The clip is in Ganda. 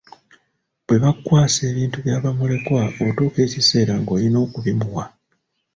Bwe bakkwasa ebintu bya mulekwa otuuka ekiseera ng'oyina okubimuwa.